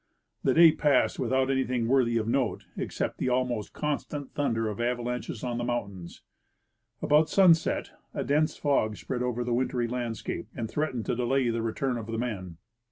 The day passed without any thing worthy of note, except the almost constant thunder of avalanches on the mountains. About sunset a dense fog spread over the wintry landscape and threatened to delay the return of the men.